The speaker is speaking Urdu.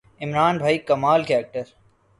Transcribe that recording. عمران بھائی کمال کے ایکڑ